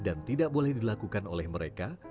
dan tidak boleh dilakukan oleh mereka